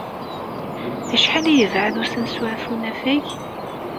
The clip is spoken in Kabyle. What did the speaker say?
Acḥal ay yebɛed usensu ɣef unafag?